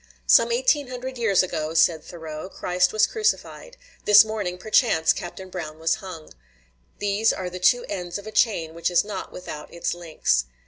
"Some eighteen hundred years ago," said Thoreau, "Christ was crucified; this morning, perchance, Captain Brown was hung. These are the two ends of a chain which is not without its links."